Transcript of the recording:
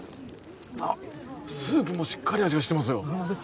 スープもしっかり味がしてますよあっ